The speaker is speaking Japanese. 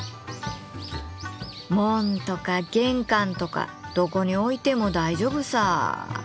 門とか玄関とかどこに置いても大丈夫さ。